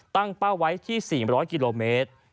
เป้าไว้ที่๔๐๐กิโลเมตร